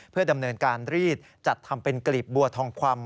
เพื่อดำเนินการรีดจัดทำเป็นกลีบบัวทองคว่ำ